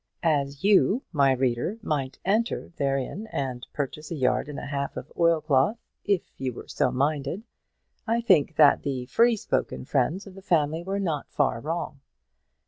As you, my reader, might enter therein, and purchase a yard and a half of oilcloth, if you were so minded, I think that the free spoken friends of the family were not far wrong.